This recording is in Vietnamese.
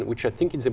chính phủ tư